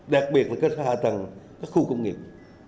đặc biệt là các hạ tầng các khu công nghiệp